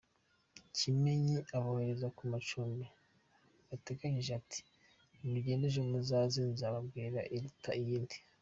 Kimenyi abohereza ku macumbi bateganyije ati “ Nimugende ejo muzaze nzababwira iruta iyindi.